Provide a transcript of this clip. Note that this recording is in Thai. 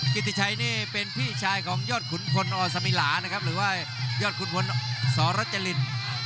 ติชัยนี่เป็นพี่ชายของยอดขุนพลอสมิลานะครับหรือว่ายอดขุนพลสรจริน